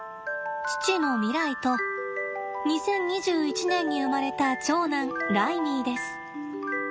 父のミライと２０２１年に生まれた長男ライミーです。